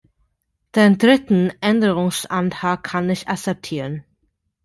Den dritten Änderungsantrag kann ich akzeptieren.